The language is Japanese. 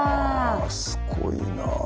うわすごいな。